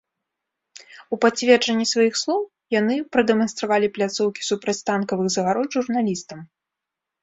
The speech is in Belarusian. У пацверджанне сваіх слоў яны прадэманстравалі пляцоўкі супрацьтанкавых загарод журналістам.